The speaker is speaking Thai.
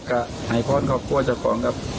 กับแห่งพอส์คอปตัวจัดฝานครับ